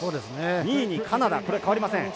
２位にカナダこれは変わりません。